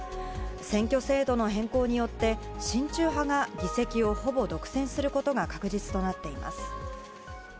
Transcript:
選挙制度の変更によって親中派が議席をほぼ独占することが確実となっています。